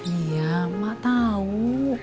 iya mak tahu